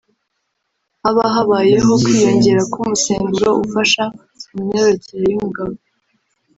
haba habayeho kwiyongera k’umusemburo ufasha mu myororokere y’umugabo